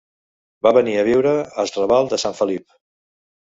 Van venir a viure as raval de Sant Felip.